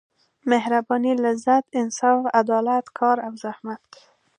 مهربانۍ لذت انصاف عدالت کار او زحمت.